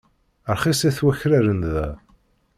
Rxisit wakraren da.